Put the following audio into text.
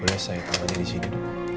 boleh saya tamatin disini